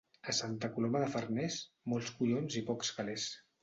A Santa Coloma de Farners, molts collons i pocs calés.